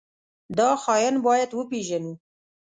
دا خاين بايد وپېژنو.